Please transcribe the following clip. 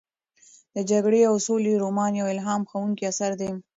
د جګړې او سولې رومان یو الهام بښونکی اثر دی.